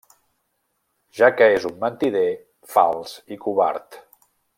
Ja que és un mentider, fals i covard.